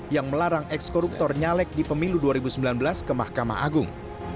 yang melarang ekskoruptor nyalek di pemilu dua ribu sembilan belas ke mahkamah agung